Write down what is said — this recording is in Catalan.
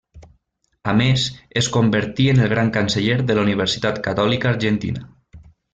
A més, es convertí en el Gran Canceller de la Universitat Catòlica Argentina.